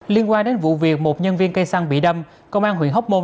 liên quan đến vụ việc một nhân viên cây xăng bị đâm công an huyện hóc môn